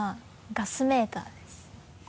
ガスメーターです。